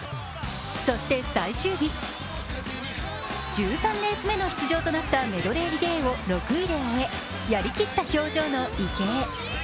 １３レース目の出場となったメドレーリレーを６位で終え、やり切った表情の池江。